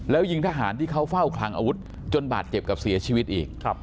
แล้วยิงทหารที่เขาเฝ้าคลังอาวุธจนบาดเจ็บกับเสียชีวิตอีก